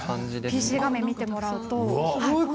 ＰＣ画面を見てもらいますと。